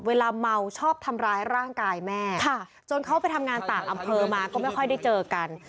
เวลาเมาชอบทำร้ายร่างกายแม่จนเขาไปทำงานต่างอำเภอมาก็ไม่ค่อยได้เจอกัน